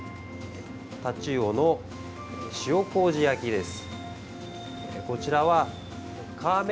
タチウオの塩こうじ焼きです。